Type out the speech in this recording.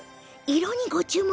色にご注目。